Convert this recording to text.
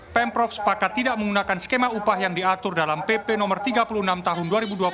pemprov sepakat tidak menggunakan skema upah yang diatur dalam pp no tiga puluh enam tahun dua ribu dua puluh